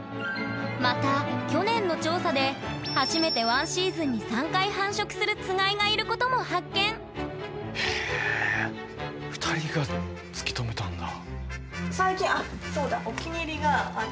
また去年の調査で初めて１シーズンに３回繁殖するつがいがいることも発見！へ２人が突き止めたんだ！